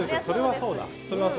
それはそうなる。